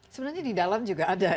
sebenarnya di dalam juga ada